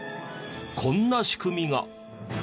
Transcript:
こんな仕組みが。